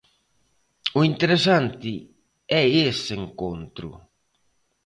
O interesante é ese encontro.